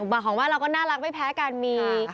บางของบ้านเราก็น่ารักไม่แพ้กันมี